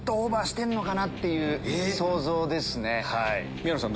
宮野さん